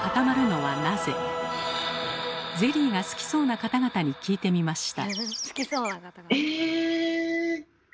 ゼリーが好きそうな方々に聞いてみました。